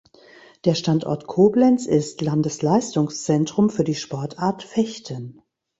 Der Standort Koblenz ist Landesleistungszentrum für die Sportart Fechten.